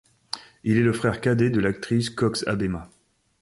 Il est le frère cadet de l'actrice Cox Habbema.